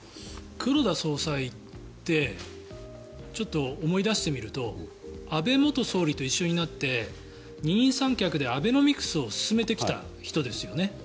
黒田総裁ってちょっと思い出してみると安倍元総理と一緒になって二人三脚でアベノミクスを進めてきた人ですよね。